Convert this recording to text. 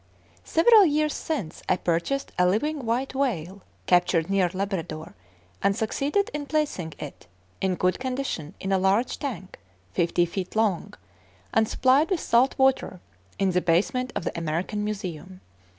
Several years since, I purchased a living white whale, captured near Labrador, and succeeded in placing it, "in good condition," in a large tank, fifty feet long, and supplied with salt water, in the basement of the American Museum.